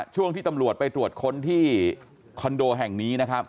ช่วงที่ตำรวจไปตรวจค้นที่คอนโดแห่งนี้นะครับ